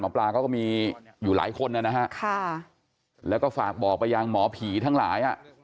กับที่บ้านหมอปลาก็มีอยู่หลายคนน่ะนะฮะแล้วก็ฝากบอกไปอย่างหมอผีทั้งหลาย